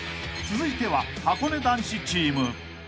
［続いてははこね男子チーム］